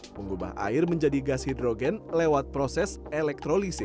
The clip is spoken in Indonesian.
mengubah air menjadi gas hidrogen lewat proses elektrolisir